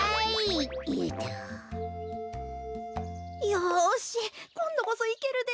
よしこんどこそいけるで。